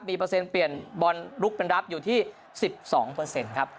มีเปอร์เซ็นต์เปลี่ยนบอลลุกเป็นรับอยู่ที่๑๒ครับ